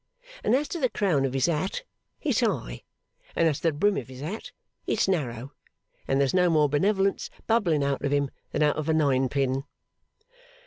And as to the crown of his hat, it's high. And as to the brim of his hat, it's narrow. And there's no more benevolence bubbling out of him, than out of a ninepin.